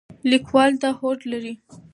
لیکوال دا هوډ لري.